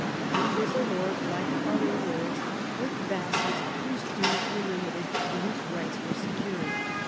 He was a lord like other lords, with vassals whose dues were limited and whose rights were secured.